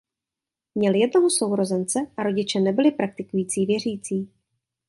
Měl jednoho sourozence a rodiče nebyli praktikující věřící.